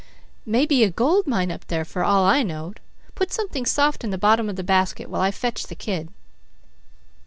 May be a gold mine up there, for all I know. Put something soft in the bottom of the basket while I fetch the kid."